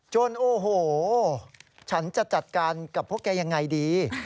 โอ้โหฉันจะจัดการกับพวกแกยังไงดี